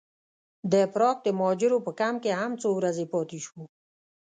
د پراګ د مهاجرو په کمپ کې هم څو ورځې پاتې شوو.